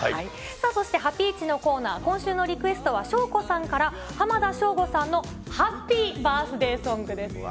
さあそしてハピイチのコーナー、今週のリクエストは翔子さんから、浜田省吾さんのハッピー・バースデイソングです。